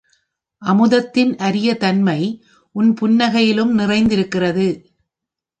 அமுதத்தின் அரிய தன்மை உன் புன்னகையிலும் நிறைந்திருக்கிறது.